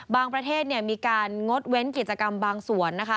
บางประเทศมีการงดเว้นกิจกรรมบางส่วนนะคะ